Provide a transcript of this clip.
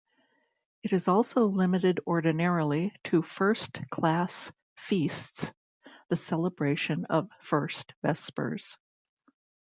It also limited ordinarily to First-Class Feasts the celebration of First Vespers.